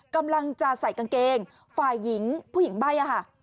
กำลังจะใส่กางเกงฝ่ายหญิงผู้หญิงใบ้อะค่ะ